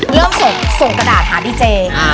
เริ่มส่งกระดาษหาดีเจ